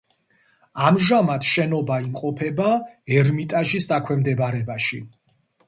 ამჟამად შენობა იმყოფება ერმიტაჟის დაქვემდებარებაში.